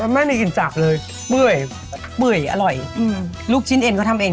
ในนี้มีครบทุกอย่าง